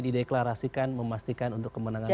dideklarasikan memastikan untuk kemenangan mas anies